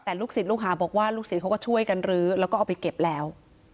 แต่ลูกศิษย์ลูกหาบอกว่าลูกศิษย์เขาก็ช่วยกันรื้อแล้วก็เอาไปเก็บแล้ว